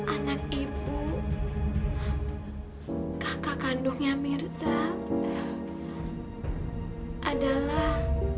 anak ibu kakak kandungnya mirza adalah